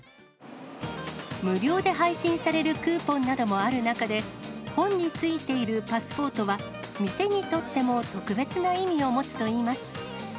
無料で配信されるクーポンなどもある中で、本に付いているパスポートは、店にとっても特別な意味を持つといいます。